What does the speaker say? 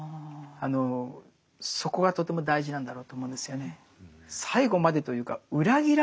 そこがとても大事なんだろうと思うんですよね。